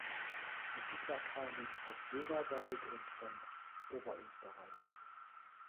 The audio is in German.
Die Siedler kamen vom Böhmerwald und von Oberösterreich.